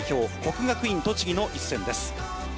・国学院栃木の一戦です。